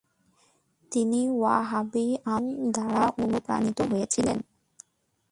তিনি ওয়াহাবি আন্দোলন দ্বারা অনুপ্রাাণিত হয়েছিলেন ।